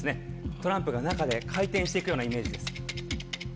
トランプが中で回転して行くようなイメージです。